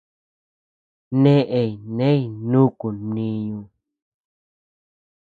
Neʼey ney nukun mniñu.